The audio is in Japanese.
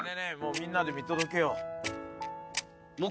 みんなで見届けよう。